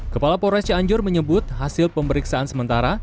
kepala polres cianjur menyebut hasil pemeriksaan sementara